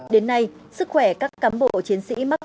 đến nay sức khỏe các cán bộ chiến sĩ mắc